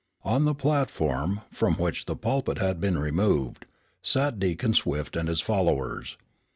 On the platform, from which the pulpit had been removed, sat Deacon Swift and his followers.